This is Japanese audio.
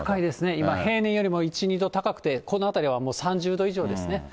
今、平年よりも１、２度高くて、この辺りは３０度以上ですね。